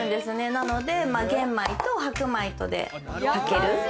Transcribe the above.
なので、玄米と白米とでたける。